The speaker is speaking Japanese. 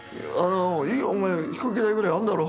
「お前飛行機代ぐらいあるだろ。